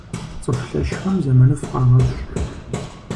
Цӏыху лъэщхэм зэманыфӏ къагъэщӏ.